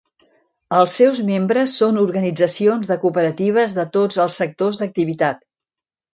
Els seus membres són organitzacions de cooperatives de tots els sectors d'activitat.